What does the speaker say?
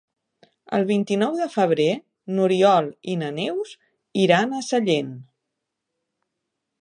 El vint-i-nou de febrer n'Oriol i na Neus iran a Sallent.